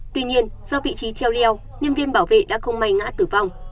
tuy nhiên do vị trí treo leo nhân viên bảo vệ đã không may ngã tử vong